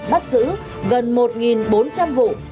bắt giữ gần một bốn trăm linh vụ